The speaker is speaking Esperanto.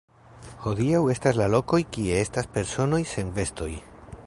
Hodiaŭ estas lokoj kie estas personoj sen vestoj.